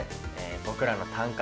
僕らの短歌。